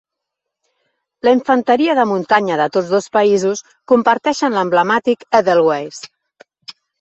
La infanteria de muntanya de tots dos països comparteixen l'emblemàtic Edelweiss.